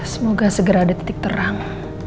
semoga segera ada titik terang